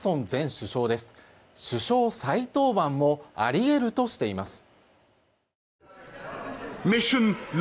首相再登板もあり得るとしています。